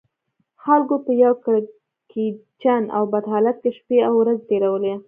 خلکو په یو کړکېچن او بد حالت کې شپې او ورځې تېرولې.